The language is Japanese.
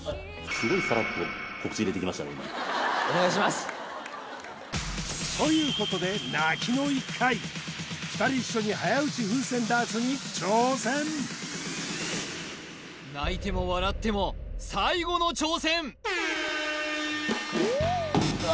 すごいお願いしますということで泣きの１回２人一緒に早撃ち風船ダーツに挑戦泣いても笑っても最後の挑戦うわ